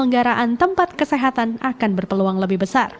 penggaraan tempat kesehatan akan berpeluang lebih besar